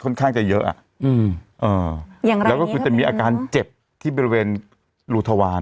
ค่อนข้างจะเยอะแล้วก็จะมีอาการเจ็บที่บริเวณรูทวาล